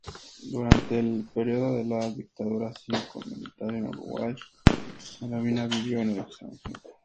Durante el período de la dictadura cívico-militar en Uruguay, Gravina vivió en el extranjero.